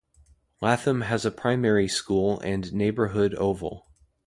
Latham has a primary school and neighbourhood oval.